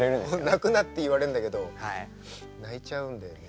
泣くなって言われるんだけど泣いちゃうんだよね。